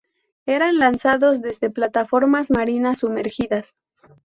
Eran lanzados desde plataformas marinas sumergidas.